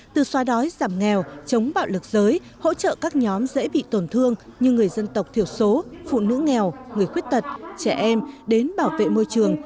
từ xóa đói giảm nghèo chống bạo lực giới hỗ trợ các nhóm dễ bị tổn thương như người dân tộc thiểu số phụ nữ nghèo người khuyết tật trẻ em đến bảo vệ môi trường